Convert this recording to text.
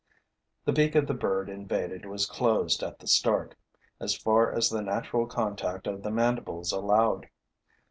The beak of the bird invaded was closed at the start, as far as the natural contact of the mandibles allowed.